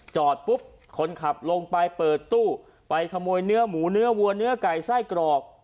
จอดปุ๊บคนขับลงไปเปิดตู้ไปขโมยเนื้อหมูเนื้อวัวเนื้อไก่ไส้กรอก